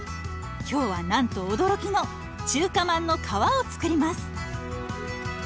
今日はなんと驚きの中華まんの皮を作ります。